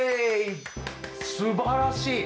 すばらしい！